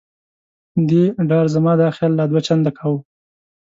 دې ډار زما دا خیال لا دوه چنده کاوه.